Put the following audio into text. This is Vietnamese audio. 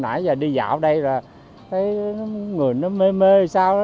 nãy giờ đi dạo đây là thấy người mê mê sao